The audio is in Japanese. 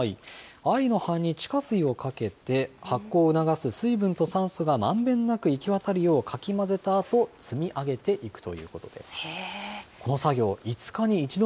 藍の葉に地下水をかけて、発酵を促す水分と酸素がまんべんなく行き渡るようかき混ぜたあと、積み上げていくということです。